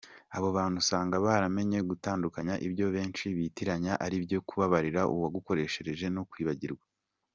Abo bantu usanga baramenye gutandukanya ibyo benshi bitiranya aribyo kubabarira uwagukoshereje no kwibagirwa.